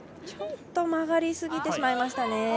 ちょっと曲がりすぎてしまいました。